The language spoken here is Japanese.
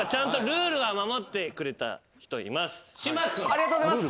ありがとうございます！